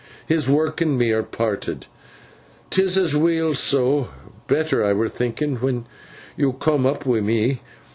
His work and me are parted. 'Tis as weel so—better, I were thinkin when yo coom up wi' me.